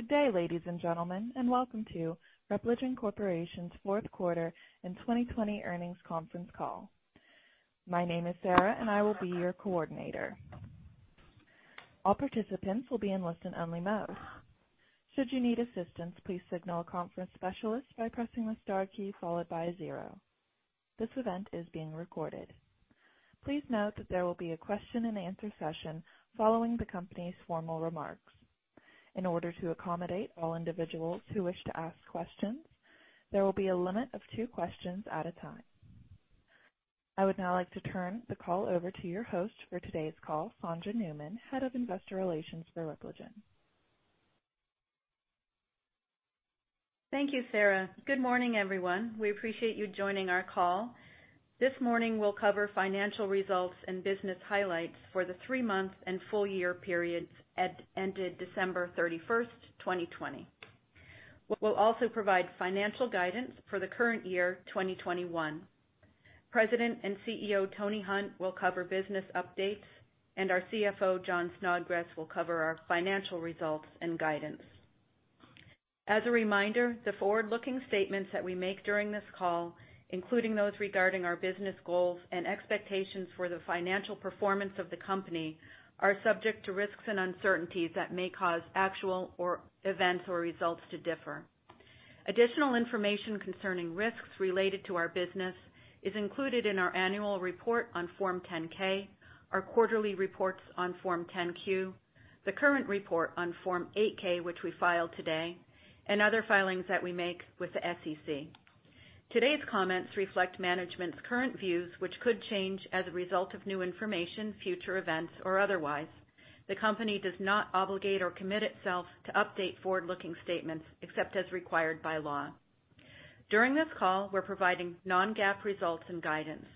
Good day, ladies and gentlemen, and welcome to Repligen Corporation's fourth quarter and 2020 earnings conference call. My name is Sarah, and I will be your coordinator. All participants will be in listen-only mode. Should you need assistance, please signal a conference specialist by pressing the star key followed by a zero. This event is being recorded. Please note that there will be a question-and-answer session following the company's formal remarks. In order to accommodate all individuals who wish to ask questions, there will be a limit of two questions at a time. I would now like to turn the call over to your host for today's call, Sondra Newman, Head of Investor Relations for Repligen. Thank you, Sarah. Good morning, everyone. We appreciate you joining our call. This morning, we'll cover financial results and business highlights for the three-month and full-year periods ended December 31st, 2020. We'll also provide financial guidance for the current year, 2021. President and CEO Tony Hunt will cover business updates, and our CFO, Jon Snodgress, will cover our financial results and guidance. As a reminder, the forward-looking statements that we make during this call, including those regarding our business goals and expectations for the financial performance of the company, are subject to risks and uncertainties that may cause actual events or results to differ. Additional information concerning risks related to our business is included in our annual report on Form 10-K, our quarterly reports on Form 10-Q, the current report on Form 8-K, which we filed today, and other filings that we make with the SEC. Today's comments reflect management's current views, which could change as a result of new information, future events, or otherwise. The company does not obligate or commit itself to update forward-looking statements except as required by law. During this call, we're providing non-GAAP results and guidance.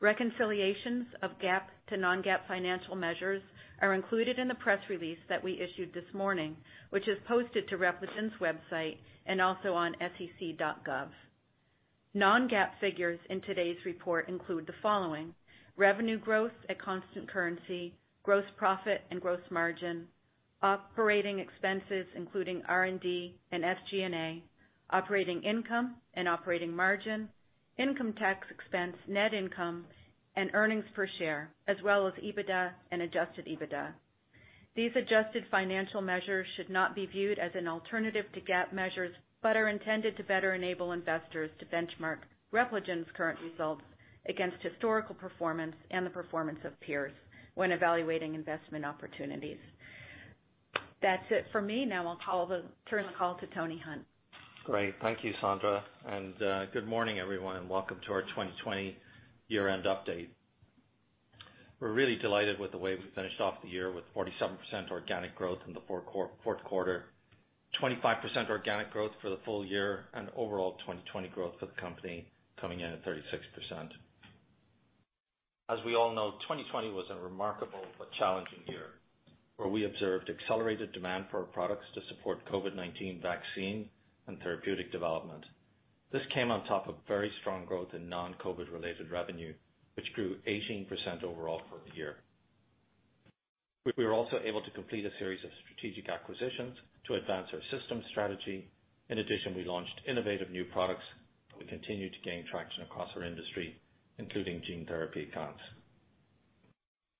Reconciliations of GAAP to non-GAAP financial measures are included in the press release that we issued this morning, which is posted to Repligen's website and also on sec.gov. Non-GAAP figures in today's report include the following: revenue growth at constant currency, gross profit and gross margin, operating expenses including R&D and SG&A, operating income and operating margin, income tax expense, net income, and earnings per share, as well as EBITDA and adjusted EBITDA. These adjusted financial measures should not be viewed as an alternative to GAAP measures but are intended to better enable investors to benchmark Repligen's current results against historical performance and the performance of peers when evaluating investment opportunities. That's it for me. Now I'll turn the call to Tony Hunt. Great. Thank you, Sondra. And good morning, everyone, and welcome to our 2020 year-end update. We're really delighted with the way we finished off the year with 47% organic growth in the fourth quarter, 25% organic growth for the full year, and overall 2020 growth for the company coming in at 36%. As we all know, 2020 was a remarkable but challenging year where we observed accelerated demand for our products to support COVID-19 vaccine and therapeutic development. This came on top of very strong growth in non-COVID-related revenue, which grew 18% overall for the year. We were also able to complete a series of strategic acquisitions to advance our system strategy. In addition, we launched innovative new products that will continue to gain traction across our industry, including gene therapy advancemennts.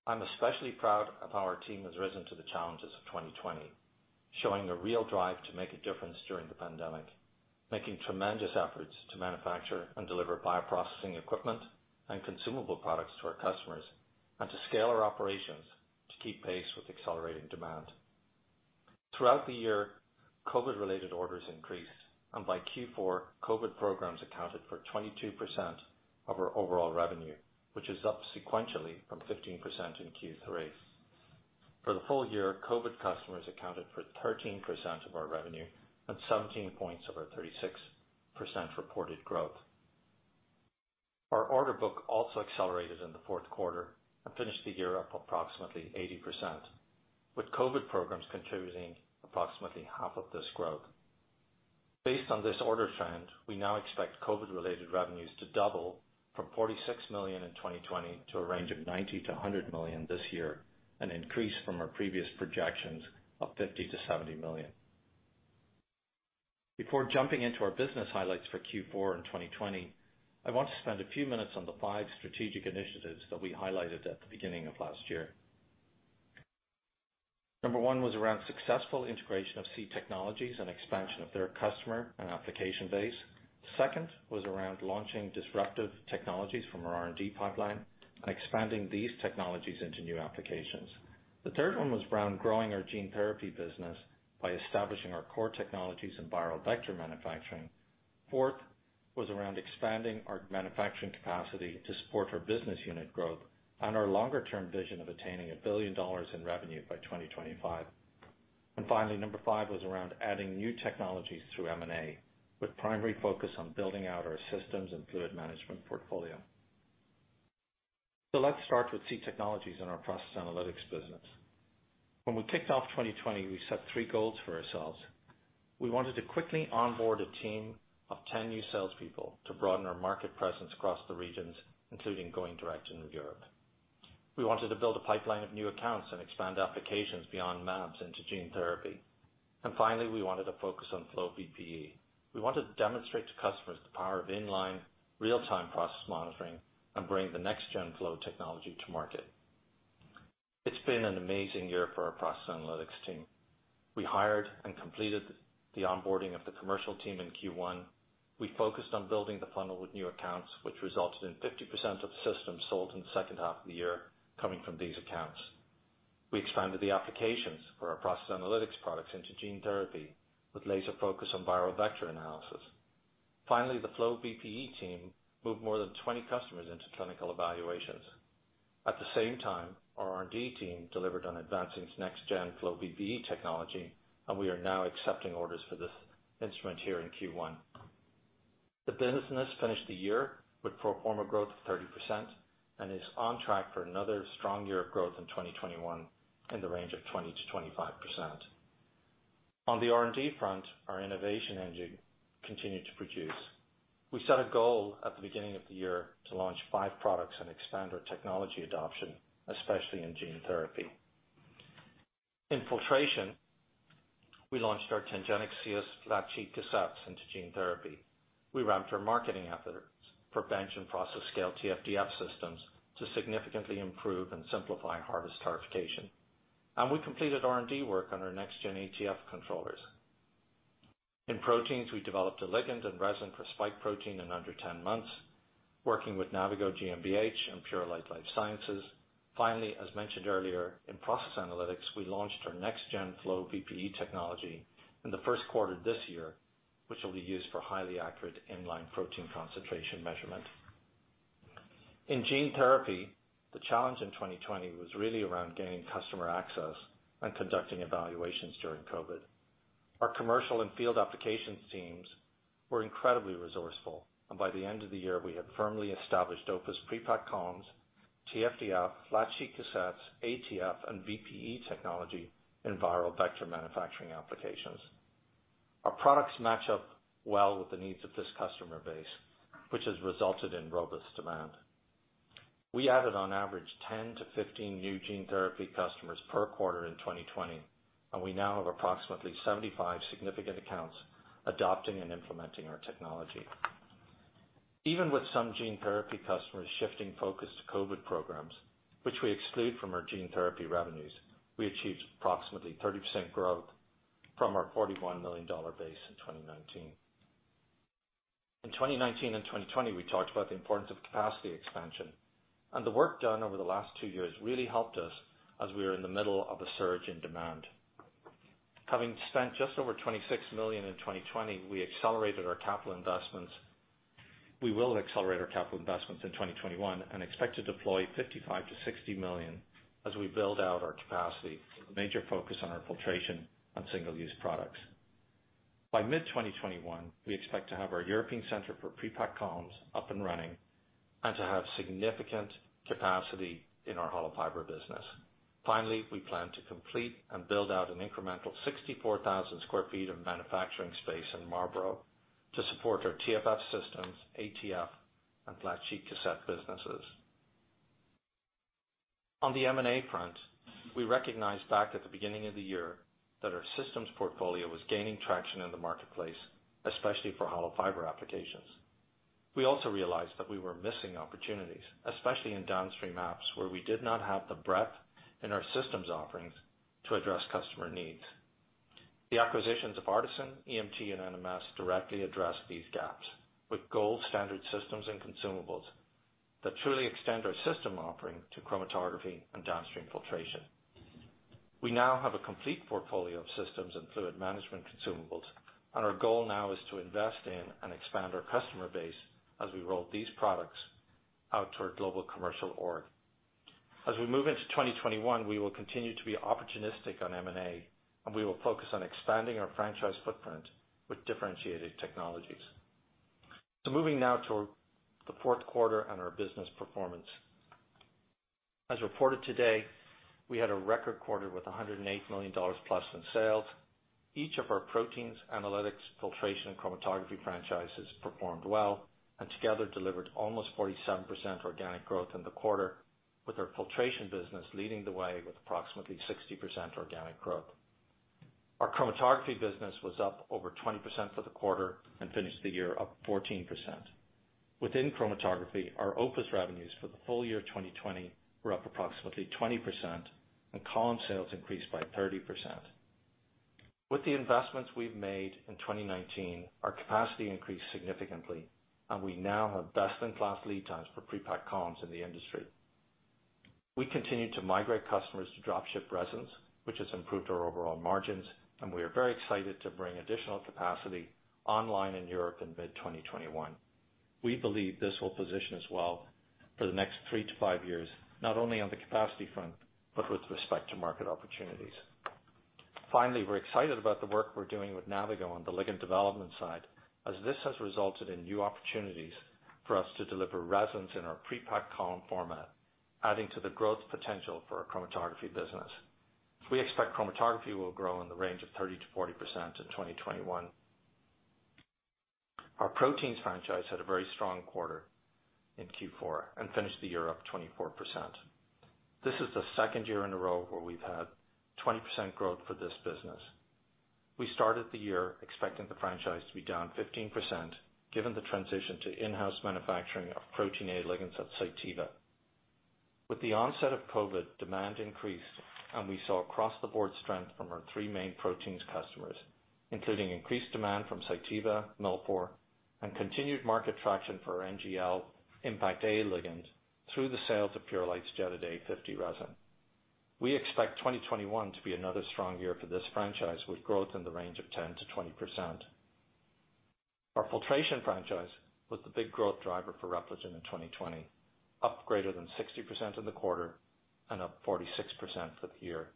I'm especially proud of how our team has risen to the challenges of 2020, showing a real drive to make a difference during the pandemic, making tremendous efforts to manufacture and deliver bioprocessing equipment and consumable products to our customers, and to scale our operations to keep pace with accelerating demand. Throughout the year, COVID-related orders increased, and by Q4, COVID programs accounted for 22% of our overall revenue, which is up sequentially from 15% in Q3. For the full year, COVID customers accounted for 13% of our revenue and 17 points of our 36% reported growth. Our order book also accelerated in the fourth quarter and finished the year up approximately 80%, with COVID programs contributing approximately half of this growth. Based on this order trend, we now expect COVID-related revenues to double from $46 million in 2020 to a range of $90 to $100 million this year and increase from our previous projections of $50 to $70 million. Before jumping into our business highlights for Q4 in 2020, I want to spend a few minutes on the five strategic initiatives that we highlighted at the beginning of last year. Number one was around successful integration of C Technologies and expansion of their customer and application base. The second was around launching disruptive technologies from our R&D pipeline and expanding these technologies into new applications. The third one was around growing our gene therapy business by establishing our core technologies in viral vector manufacturing. Fourth was around expanding our manufacturing capacity to support our business unit growth and our longer-term vision of attaining $1 billion in revenue by 2025. And finally, number five was around adding new technologies through M&A with primary focus on building out our systems and fluid management portfolio. So let's start with C Technologies in our process analytics business. When we kicked off 2020, we set three goals for ourselves. We wanted to quickly onboard a team of 10 new salespeople to broaden our market presence across the regions, including going direct in Europe. We wanted to build a pipeline of new accounts and expand applications beyond mAbs into gene therapy. And finally, we wanted to focus on FlowVPE. We wanted to demonstrate to customers the power of inline real-time process monitoring and bring the next-gen flow technology to market. It's been an amazing year for our process analytics team. We hired and completed the onboarding of the commercial team in Q1. We focused on building the funnel with new accounts, which resulted in 50% of the systems sold in the second half of the year coming from these accounts. We expanded the applications for our process analytics products into gene therapy with laser focus on viral vector analysis. Finally, the FlowVPE team moved more than 20 customers into clinical evaluations. At the same time, our R&D team delivered on advancing next-gen FlowVPE technology, and we are now accepting orders for this instrument here in Q1. The business finished the year with pro forma growth of 30% and is on track for another strong year of growth in 2021 in the range of 20%-25%. On the R&D front, our innovation engine continued to produce. We set a goal at the beginning of the year to launch five products and expand our technology adoption, especially in gene therapy. In filtration, we launched our TangenX SIUS flat sheet cassettes into gene therapy. We ramped our marketing efforts for bench and process scale TFDF systems to significantly improve and simplify harvest clarification. And we completed R&D work on our next-gen ATF controllers. In proteins, we developed a ligand and resin for spike protein in under 10 months, working with Navigo Proteins GmbH and Purolite. Finally, as mentioned earlier, in process analytics, we launched our next-gen FlowVPE technology in the first quarter of this year, which will be used for highly accurate inline protein concentration measurement. In gene therapy, the challenge in 2020 was really around gaining customer access and conducting evaluations during COVID. Our commercial and field applications teams were incredibly resourceful, and by the end of the year, we had firmly established Opus pre-packed columns, TFDF, flat sheet cassettes, ATF, and VPE technology in viral vector manufacturing applications. Our products match up well with the needs of this customer base, which has resulted in robust demand. We added, on average, 10 to 15 new gene therapy customers per quarter in 2020, and we now have approximately 75 significant accounts adopting and implementing our technology. Even with some gene therapy customers shifting focus to COVID programs, which we exclude from our gene therapy revenues, we achieved approximately 30% growth from our $41 million base in 2019. In 2019 and 2020, we talked about the importance of capacity expansion, and the work done over the last two years really helped us as we were in the middle of a surge in demand. Having spent just over $26 million in 2020, we accelerated our capital investments. We will accelerate our capital investments in 2021 and expect to deploy $55 to $60 million as we build out our capacity with a major focus on our filtration and single-use products. By mid-2021, we expect to have our European center for pre-packed columns up and running and to have significant capacity in our hollow fiber business. Finally, we plan to complete and build out an incremental 64,000 sq ft of manufacturing space in Marlborough to support our TFF systems, ATF, and flat sheet cassette businesses. On the M&A front, we recognized back at the beginning of the year that our systems portfolio was gaining traction in the marketplace, especially for hollow fiber applications. We also realized that we were missing opportunities, especially in downstream apps where we did not have the breadth in our systems offerings to address customer needs. The acquisitions of Artisan, EMT, and NMS directly addressed these gaps with gold-standard systems and consumables that truly extend our system offering to chromatography and downstream filtration. We now have a complete portfolio of systems and fluid management consumables, and our goal now is to invest in and expand our customer base as we roll these products out to our global commercial org. As we move into 2021, we will continue to be opportunistic on M&A, and we will focus on expanding our franchise footprint with differentiated technologies. So moving now to the fourth quarter and our business performance. As reported today, we had a record quarter with $108 million plus in sales. Each of our proteins, analytics, filtration, and chromatography franchises performed well and together delivered almost 47% organic growth in the quarter, with our filtration business leading the way with approximately 60% organic growth. Our chromatography business was up over 20% for the quarter and finished the year up 14%. Within chromatography, our Opus revenues for the full year 2020 were up approximately 20%, and column sales increased by 30%. With the investments we've made in 2019, our capacity increased significantly, and we now have best-in-class lead times for prepack columns in the industry. We continue to migrate customers to dropship resins, which has improved our overall margins, and we are very excited to bring additional capacity online in Europe in mid-2021. We believe this will position us well for the next three to five years, not only on the capacity front but with respect to market opportunities. Finally, we're excited about the work we're doing with Navigo on the ligand development side, as this has resulted in new opportunities for us to deliver resins in our pre-packed column format, adding to the growth potential for our chromatography business. We expect chromatography will grow in the range of 30%-40% in 2021. Our proteins franchise had a very strong quarter in Q4 and finished the year up 24%. This is the second year in a row where we've had 20% growth for this business. We started the year expecting the franchise to be down 15% given the transition to in-house manufacturing of Protein A ligands at Cytiva. With the onset of COVID, demand increased, and we saw across-the-board strength from our three main Proteins customers, including increased demand from Cytiva, MilliporeSigma, and continued market traction for our NGL Impact A ligand through the sales of Purolite's Praesto Jetted A50 resin. We expect 2021 to be another strong year for this franchise with growth in the range of 10%-20%. Our filtration franchise was the big growth driver for Repligen in 2020, up greater than 60% in the quarter and up 46% for the year.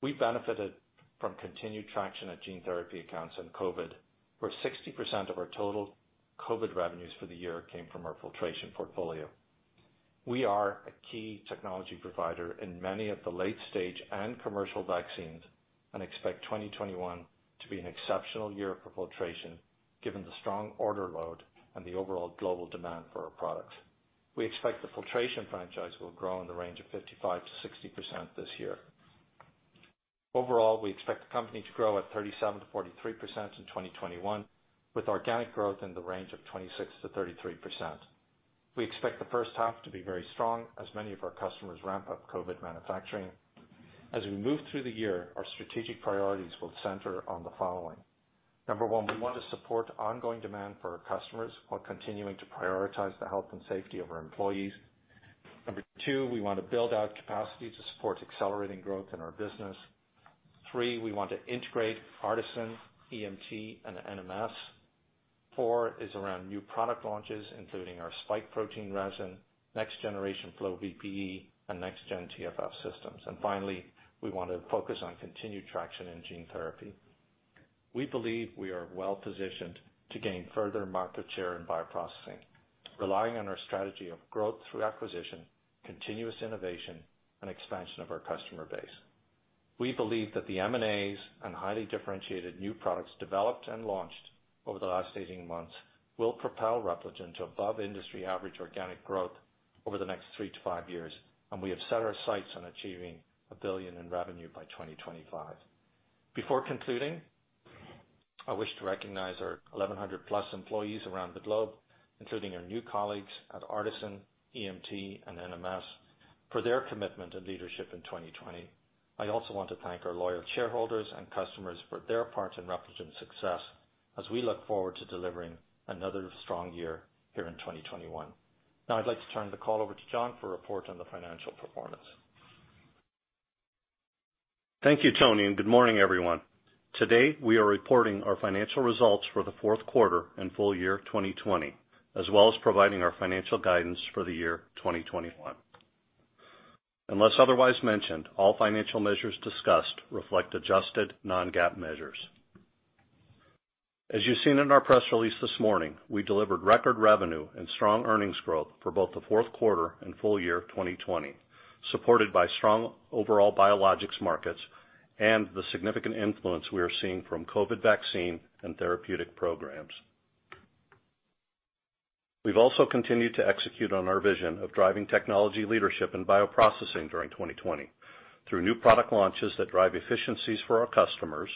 We benefited from continued traction at gene therapy accounts in COVID, where 60% of our total COVID revenues for the year came from our filtration portfolio. We are a key technology provider in many of the late-stage and commercial vaccines and expect 2021 to be an exceptional year for filtration given the strong order load and the overall global demand for our products. We expect the filtration franchise will grow in the range of 55%-60% this year. Overall, we expect the company to grow at 37%-43% in 2021, with organic growth in the range of 26%-33%. We expect the first half to be very strong as many of our customers ramp up COVID manufacturing. As we move through the year, our strategic priorities will center on the following. Number one, we want to support ongoing demand for our customers while continuing to prioritize the health and safety of our employees. Number two, we want to build out capacity to support accelerating growth in our business. Three, we want to integrate Artisan, EMT, and NMS. Four is around new product launches, including our spike protein resin, next-generation FlowVPE, and next-gen TFF systems. And finally, we want to focus on continued traction in gene therapy. We believe we are well-positioned to gain further market share in bioprocessing, relying on our strategy of growth through acquisition, continuous innovation, and expansion of our customer base. We believe that the M&As and highly differentiated new products developed and launched over the last 18 months will propel Repligen to above-industry-average organic growth over the next three to five years, and we have set our sights on achieving $1 billion in revenue by 2025. Before concluding, I wish to recognize our 1,100+ employees around the globe, including our new colleagues at Artisan, EMT, and NMS, for their commitment and leadership in 2020. I also want to thank our loyal shareholders and customers for their part in Repligen's success as we look forward to delivering another strong year here in 2021. Now, I'd like to turn the call over to Jon for a report on the financial performance. Thank you, Tony, and good morning, everyone. Today, we are reporting our financial results for the fourth quarter and full year 2020, as well as providing our financial guidance for the year 2021. Unless otherwise mentioned, all financial measures discussed reflect adjusted non-GAAP measures. As you've seen in our press release this morning, we delivered record revenue and strong earnings growth for both the fourth quarter and full year 2020, supported by strong overall biologics markets and the significant influence we are seeing from COVID vaccine and therapeutic programs. We've also continued to execute on our vision of driving technology leadership in bioprocessing during 2020 through new product launches that drive efficiencies for our customers,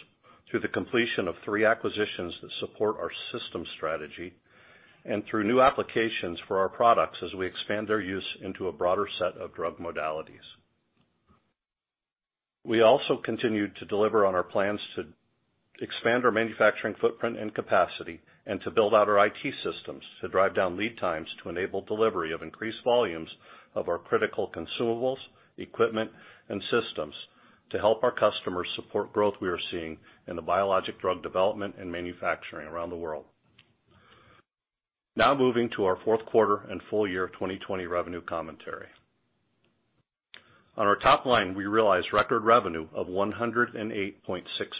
through the completion of three acquisitions that support our system strategy, and through new applications for our products as we expand their use into a broader set of drug modalities. We also continued to deliver on our plans to expand our manufacturing footprint and capacity and to build out our IT systems to drive down lead times to enable delivery of increased volumes of our critical consumables, equipment, and systems to help our customers support growth we are seeing in the biologic drug development and manufacturing around the world. Now, moving to our fourth quarter and full year 2020 revenue commentary. On our top line, we realized record revenue of $108.6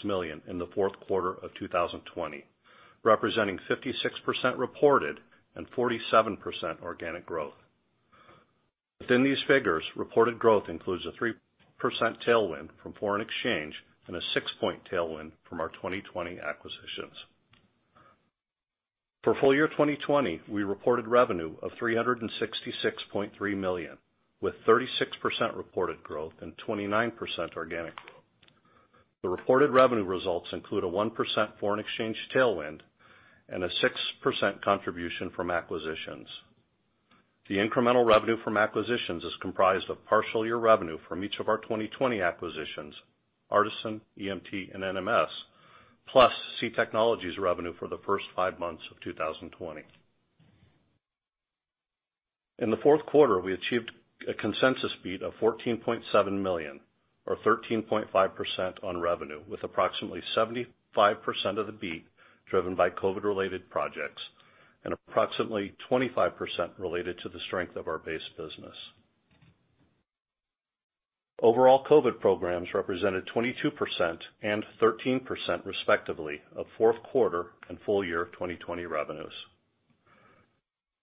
million in the fourth quarter of 2020, representing 56% reported and 47% organic growth. Within these figures, reported growth includes a 3% tailwind from foreign exchange and a 6-point tailwind from our 2020 acquisitions. For full year 2020, we reported revenue of $366.3 million, with 36% reported growth and 29% organic growth. The reported revenue results include a 1% foreign exchange tailwind and a 6% contribution from acquisitions. The incremental revenue from acquisitions is comprised of partial year revenue from each of our 2020 acquisitions: Artisan, EMT, and NMS, plus C Technologies revenue for the first five months of 2020. In the fourth quarter, we achieved a consensus beat of $14.7 million, or 13.5% on revenue, with approximately 75% of the beat driven by COVID-related projects and approximately 25% related to the strength of our base business. Overall, COVID programs represented 22% and 13%, respectively, of fourth quarter and full year 2020 revenues.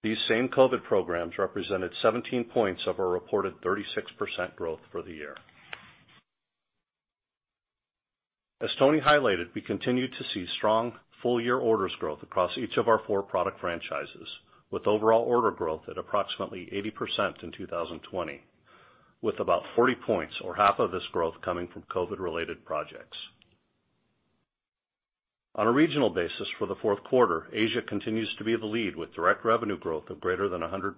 These same COVID programs represented 17 points of our reported 36% growth for the year. As Tony highlighted, we continued to see strong full-year orders growth across each of our four product franchises, with overall order growth at approximately 80% in 2020, with about 40 points, or half of this growth, coming from COVID-related projects. On a regional basis, for the fourth quarter, Asia continues to be the lead with direct revenue growth of greater than 100%,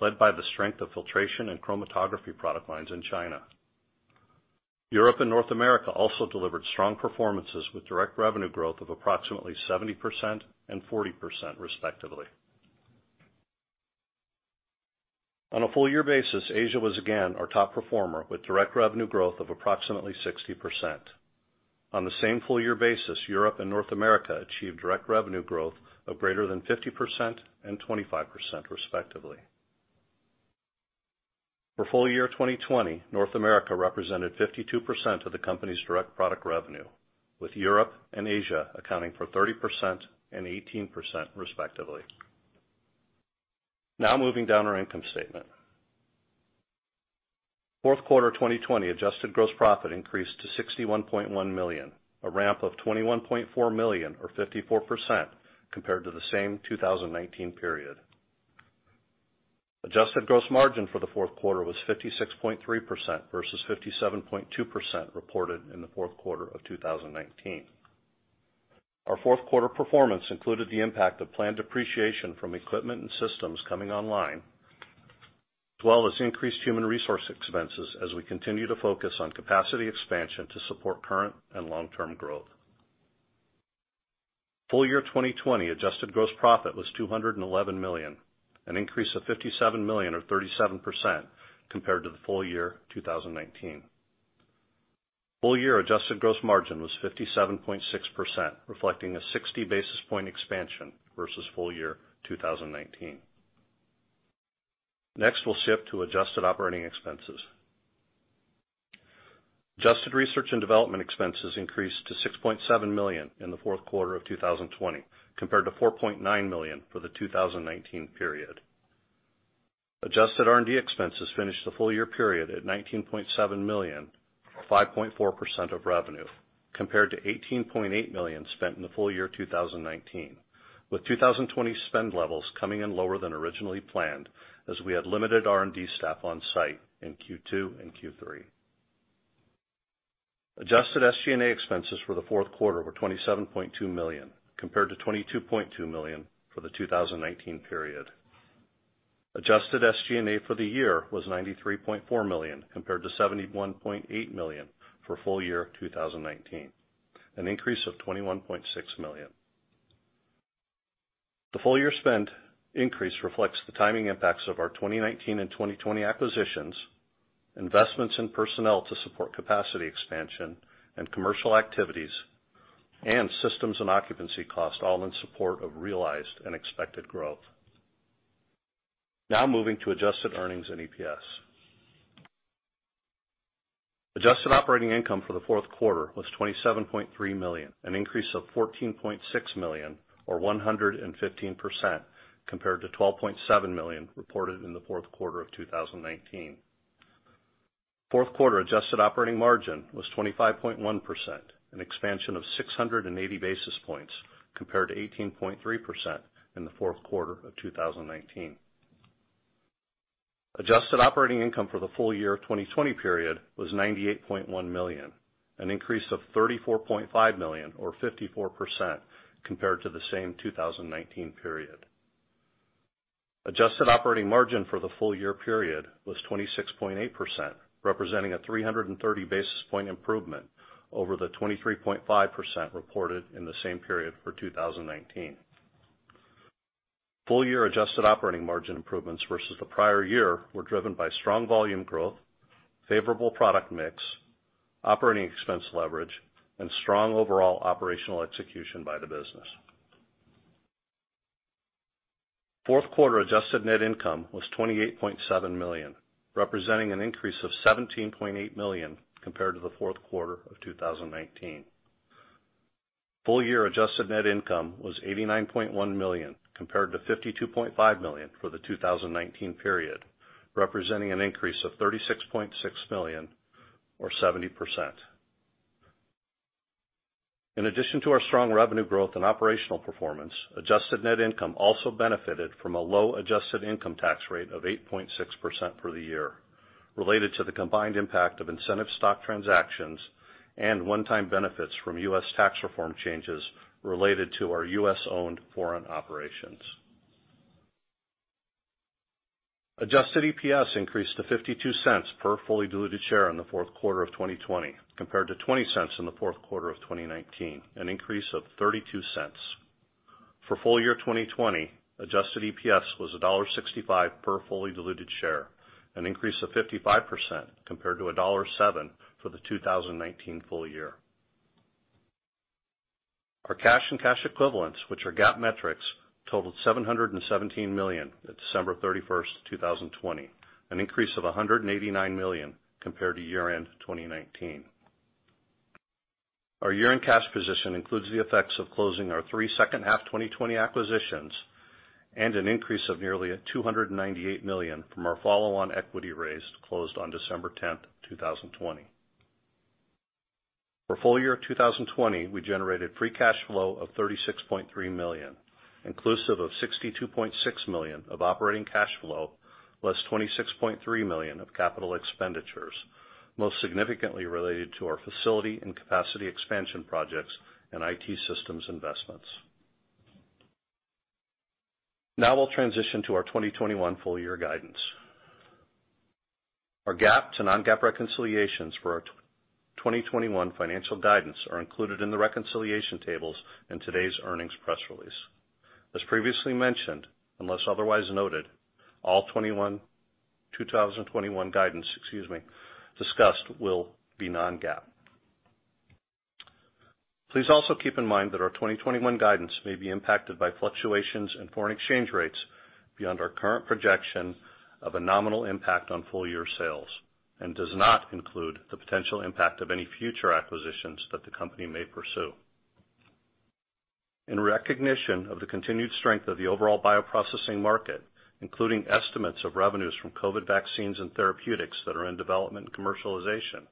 led by the strength of filtration and chromatography product lines in China. Europe and North America also delivered strong performances with direct revenue growth of approximately 70% and 40%, respectively. On a full-year basis, Asia was again our top performer with direct revenue growth of approximately 60%. On the same full-year basis, Europe and North America achieved direct revenue growth of greater than 50% and 25%, respectively. For full year 2020, North America represented 52% of the company's direct product revenue, with Europe and Asia accounting for 30% and 18%, respectively. Now, moving down our income statement. Fourth quarter 2020 adjusted gross profit increased to $61.1 million, a ramp of $21.4 million, or 54%, compared to the same 2019 period. Adjusted gross margin for the fourth quarter was 56.3% versus 57.2% reported in the fourth quarter of 2019. Our fourth quarter performance included the impact of planned depreciation from equipment and systems coming online, as well as increased human resource expenses as we continue to focus on capacity expansion to support current and long-term growth. Full year 2020 adjusted gross profit was $211 million, an increase of $57 million, or 37%, compared to the full year 2019. Full year adjusted gross margin was 57.6%, reflecting a 60 basis point expansion versus full year 2019. Next, we'll shift to adjusted operating expenses. Adjusted research and development expenses increased to $6.7 million in the fourth quarter of 2020, compared to $4.9 million for the 2019 period. Adjusted R&D expenses finished the full year period at $19.7 million, or 5.4% of revenue, compared to $18.8 million spent in the full year 2019, with 2020 spend levels coming in lower than originally planned as we had limited R&D staff on-site in Q2 and Q3. Adjusted SG&A expenses for the fourth quarter were $27.2 million, compared to $22.2 million for the 2019 period. Adjusted SG&A for the year was $93.4 million, compared to $71.8 million for full year 2019, an increase of $21.6 million. The full year spend increase reflects the timing impacts of our 2019 and 2020 acquisitions, investments in personnel to support capacity expansion, and commercial activities, and systems and occupancy costs, all in support of realized and expected growth. Now, moving to adjusted earnings and EPS. Adjusted operating income for the fourth quarter was $27.3 million, an increase of $14.6 million, or 115%, compared to $12.7 million reported in the fourth quarter of 2019. Fourth quarter adjusted operating margin was 25.1%, an expansion of 680 basis points, compared to 18.3% in the fourth quarter of 2019. Adjusted operating income for the full year 2020 period was $98.1 million, an increase of $34.5 million, or 54%, compared to the same 2019 period. Adjusted operating margin for the full year period was 26.8%, representing a 330 basis point improvement over the 23.5% reported in the same period for 2019. Full year adjusted operating margin improvements versus the prior year were driven by strong volume growth, favorable product mix, operating expense leverage, and strong overall operational execution by the business. Fourth quarter adjusted net income was $28.7 million, representing an increase of $17.8 million compared to the fourth quarter of 2019. Full year adjusted net income was $89.1 million, compared to $52.5 million for the 2019 period, representing an increase of $36.6 million, or 70%. In addition to our strong revenue growth and operational performance, adjusted net income also benefited from a low adjusted income tax rate of 8.6% for the year, related to the combined impact of incentive stock transactions and one-time benefits from U.S. tax reform changes related to our U.S.-owned foreign operations. Adjusted EPS increased to $0.52 per fully diluted share in the fourth quarter of 2020, compared to $0.20 in the fourth quarter of 2019, an increase of $0.32. For full year 2020, adjusted EPS was $1.65 per fully diluted share, an increase of 55%, compared to $1.07 for the 2019 full year. Our cash and cash equivalents, which are GAAP metrics, totaled $717 million at December 31st, 2020, an increase of $189 million compared to year-end 2019. Our year-end cash position includes the effects of closing our three second-half 2020 acquisitions and an increase of nearly $298 million from our follow-on equity raised closed on December 10th, 2020. For full year 2020, we generated free cash flow of $36.3 million, inclusive of $62.6 million of operating cash flow, less $26.3 million of capital expenditures, most significantly related to our facility and capacity expansion projects and IT systems investments. Now, we'll transition to our 2021 full year guidance. Our GAAP to non-GAAP reconciliations for our 2021 financial guidance are included in the reconciliation tables in today's earnings press release. As previously mentioned, unless otherwise noted, all 2021 guidance, excuse me, discussed will be non-GAAP. Please also keep in mind that our 2021 guidance may be impacted by fluctuations in foreign exchange rates beyond our current projection of a nominal impact on full year sales and does not include the potential impact of any future acquisitions that the company may pursue. In recognition of the continued strength of the overall bioprocessing market, including estimates of revenues from COVID vaccines and therapeutics that are in development and commercialization,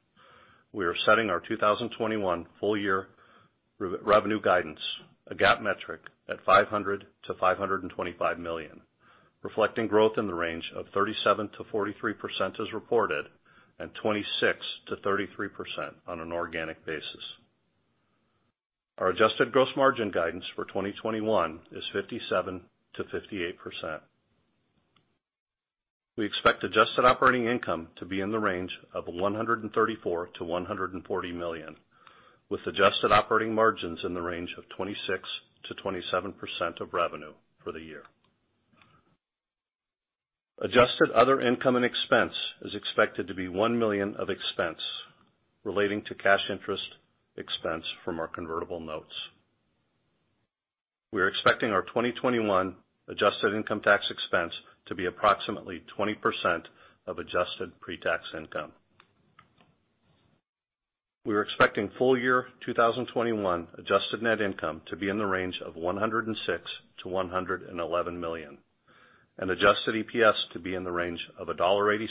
we are setting our 2021 full year revenue guidance, a GAAP metric at $500 million-$525 million, reflecting growth in the range of 37%-43% as reported and 26%-33% on an organic basis. Our adjusted gross margin guidance for 2021 is 57%-58%. We expect adjusted operating income to be in the range of $134 million-$140 million, with adjusted operating margins in the range of 26%-27% of revenue for the year. Adjusted other income and expense is expected to be $1 million of expense relating to cash interest expense from our convertible notes. We are expecting our 2021 adjusted income tax expense to be approximately 20% of adjusted pre-tax income. We are expecting full-year 2021 adjusted net income to be in the range of $106 to $111 million and adjusted EPS to be in the range of $1.86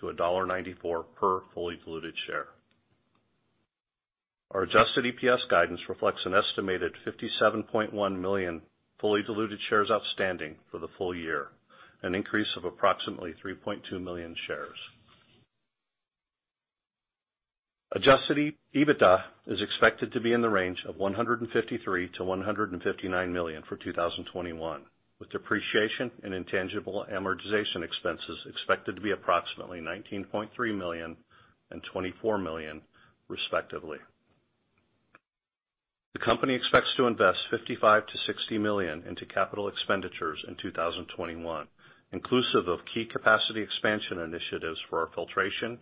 to $1.94 per fully diluted share. Our adjusted EPS guidance reflects an estimated 57.1 million fully diluted shares outstanding for the full year, an increase of approximately 3.2 million shares. Adjusted EBITDA is expected to be in the range of $153 to $159 million for 2021, with depreciation and intangible amortization expenses expected to be approximately $19.3 million and $24 million, respectively. The company expects to invest $55 to $60 million into capital expenditures in 2021, inclusive of key capacity expansion initiatives for our filtration,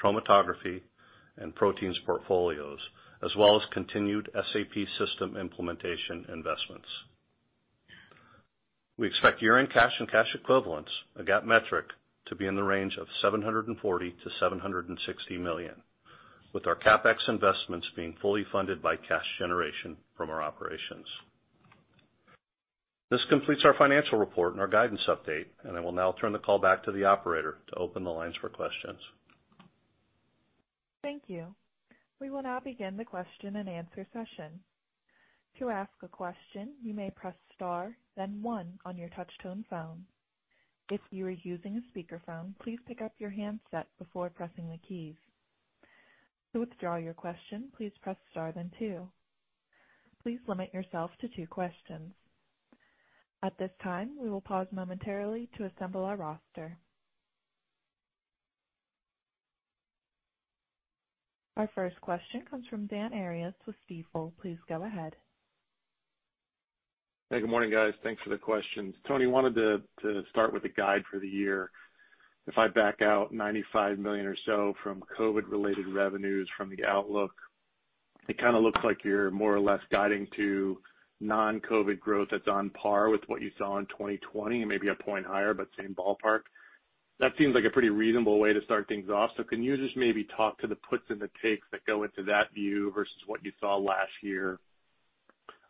chromatography, and proteins portfolios, as well as continued SAP system implementation investments. We expect year-end cash and cash equivalents, a GAAP metric, to be in the range of $740 million-$760 million, with our CapEx investments being fully funded by cash generation from our operations. This completes our financial report and our guidance update, and I will now turn the call back to the operator to open the lines for questions. Thank you. We will now begin the question and answer session. To ask a question, you may press star, then one on your touch-tone phone. If you are using a speakerphone, please pick up your handset before pressing the keys. To withdraw your question, please press star, then two. Please limit yourself to two questions. At this time, we will pause momentarily to assemble our roster. Our first question comes from Dan Arias with Stifel. Please go ahead. Hey, good morning, guys. Thanks for the questions. Tony wanted to start with a guide for the year. If I back out $95 million or so from COVID-related revenues from the outlook, it kind of looks like you're more or less guiding to non-COVID growth that's on par with what you saw in 2020, maybe a point higher, but same ballpark. That seems like a pretty reasonable way to start things off. So can you just maybe talk to the puts and the takes that go into that view versus what you saw last year?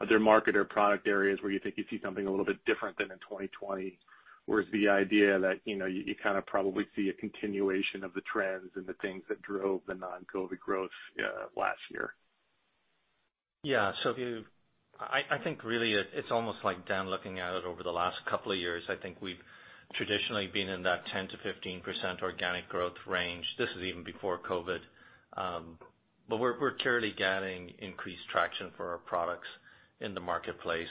Are there market or product areas where you think you see something a little bit different than in 2020? Where's the idea that you kind of probably see a continuation of the trends and the things that drove the non-COVID growth last year? Yeah. So I think really it's almost like Dan looking at it over the last couple of years. I think we've traditionally been in that 10%-15% organic growth range. This is even before COVID. But we're clearly getting increased traction for our products in the marketplace.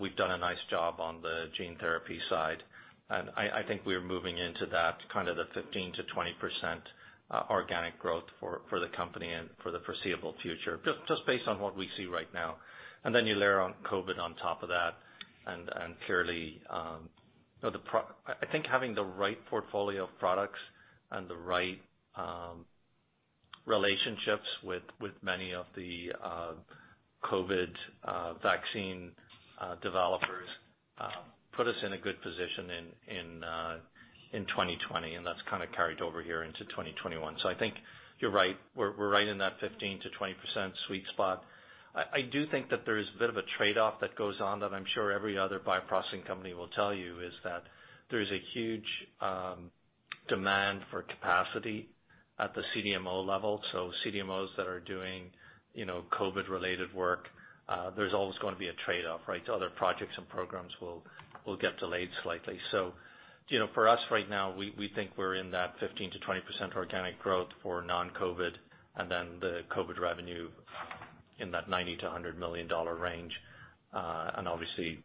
We've done a nice job on the gene therapy side. And I think we're moving into that kind of the 15%-20% organic growth for the company and for the foreseeable future, just based on what we see right now. And then you layer on COVID on top of that and clearly, I think having the right portfolio of products and the right relationships with many of the COVID vaccine developers put us in a good position in 2020, and that's kind of carried over here into 2021. So I think you're right. We're right in that 15%-20% sweet spot. I do think that there is a bit of a trade-off that goes on that I'm sure every other bioprocessing company will tell you is that there is a huge demand for capacity at the CDMO level. So CDMOs that are doing COVID-related work, there's always going to be a trade-off, right? So other projects and programs will get delayed slightly. So for us right now, we think we're in that 15%-20% organic growth for non-COVID and then the COVID revenue in that $90 million-$100 million range. And obviously,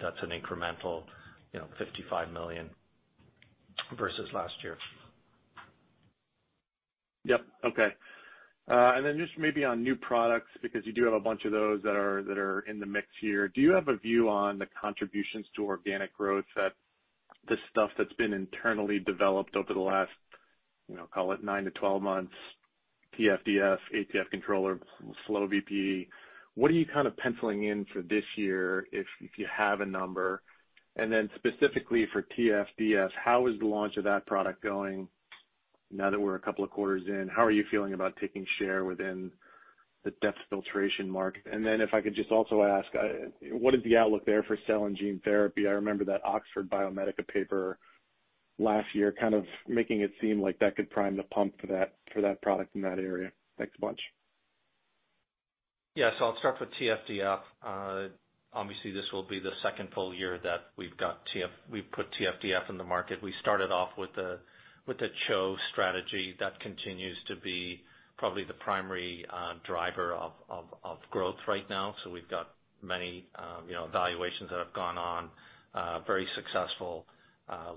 that's an incremental $55 million versus last year. Yep. Okay. And then just maybe on new products, because you do have a bunch of those that are in the mix here, do you have a view on the contributions to organic growth that the stuff that's been internally developed over the last, call it nine to 12 months, TFDF, ATF controller, FlowVPE? What are you kind of penciling in for this year, if you have a number? And then specifically for TFDF, how is the launch of that product going now that we're a couple of quarters in? How are you feeling about taking share within the depth filtration market? And then if I could just also ask, what is the outlook there for cell and gene therapy? I remember that Oxford Biomedica paper last year kind of making it seem like that could prime the pump for that product in that area. Next bunch. Yeah. So I'll start with TFDF. Obviously, this will be the second full year that we've put TFDF in the market. We started off with the CHO strategy. That continues to be probably the primary driver of growth right now. So we've got many evaluations that have gone on, very successful.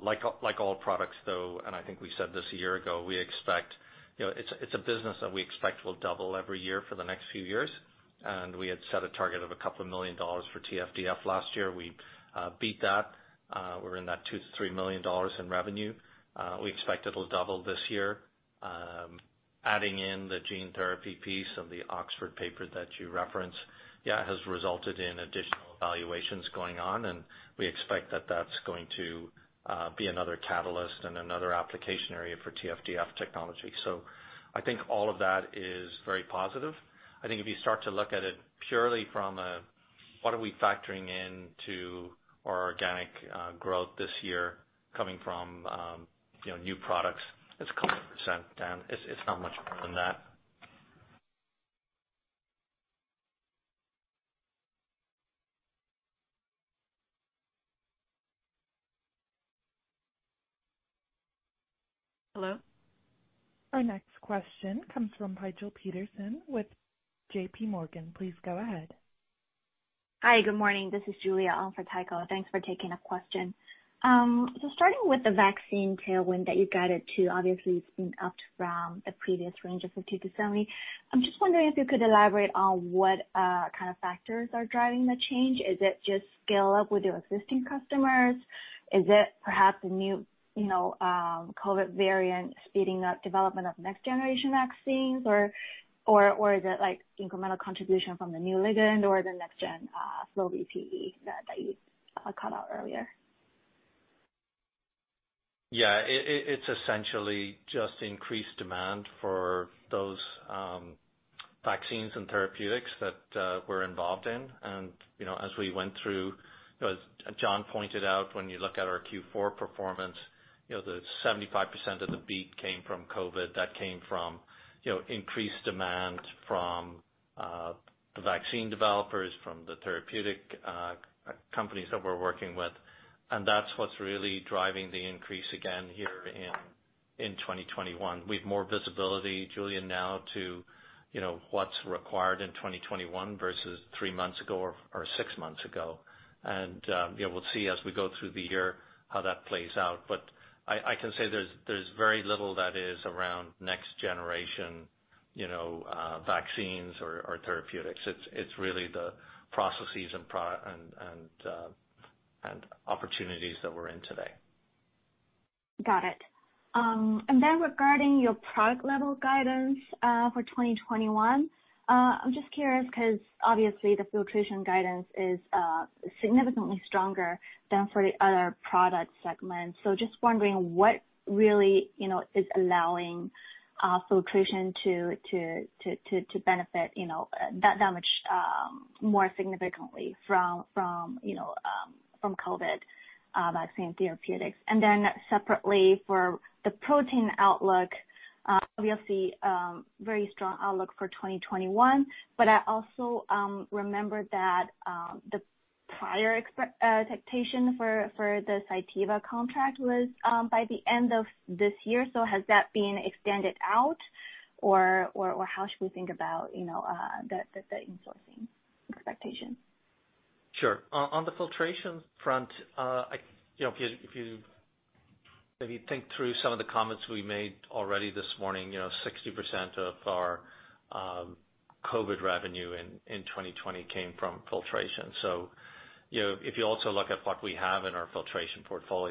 Like all products, though, and I think we said this a year ago, we expect it's a business that we expect will double every year for the next few years. And we had set a target of $2 million for TFDF last year. We beat that. We're in that $2 to $3 million in revenue. We expect it'll double this year. Adding in the gene therapy piece and the Oxford paper that you referenced, yeah, has resulted in additional evaluations going on, and we expect that that's going to be another catalyst and another application area for TFDF technology. So I think all of that is very positive. I think if you start to look at it purely from a, what are we factoring into our organic growth this year coming from new products? It's a couple of percent, Dan. It's not much more than that. Hello? Our next question comes from Tycho Peterson with J.P. Morgan. Please go ahead. Hi. Good morning. This is Julia on for Tycho. Thanks for taking a question. So starting with the vaccine tailwind that you guided to, obviously, it's been upped from the previous range of 50-70. I'm just wondering if you could elaborate on what kind of factors are driving the change. Is it just scale-up with your existing customers? Is it perhaps a new COVID variant speeding up development of next-generation vaccines, or is it incremental contribution from the new ligand or the next-gen FlowVPE that you called out earlier? Yeah. It's essentially just increased demand for those vaccines and therapeutics that we're involved in. And as we went through, as Jon pointed out, when you look at our Q4 performance, the 75% of the beat came from COVID. That came from increased demand from the vaccine developers, from the therapeutic companies that we're working with. And that's what's really driving the increase again here in 2021. We have more visibility, Julia, now to what's required in 2021 versus three months ago or six months ago. And we'll see as we go through the year how that plays out. But I can say there's very little that is around next-generation vaccines or therapeutics. It's really the processes and opportunities that we're in today. Got it. And then regarding your product-level guidance for 2021, I'm just curious because obviously the filtration guidance is significantly stronger than for the other product segments. So just wondering what really is allowing filtration to benefit that much more significantly from COVID vaccine therapeutics. And then separately for the protein outlook, obviously very strong outlook for 2021. But I also remember that the prior expectation for the Cytiva contract was by the end of this year. So has that been extended out, or how should we think about the insourcing expectation? Sure. On the filtration front, if you maybe think through some of the comments we made already this morning, 60% of our COVID revenue in 2020 came from filtration. So if you also look at what we have in our filtration portfolio.